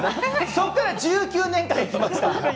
そこから１９年生きました。